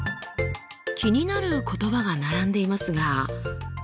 気になる言葉が並んでいますが。